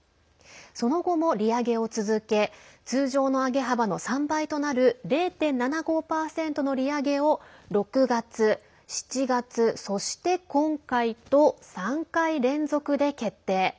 その後も利上げを続け通常の上げ幅の３倍となる０．７５％の利上げを６月、７月、そして今回と３回連続で決定。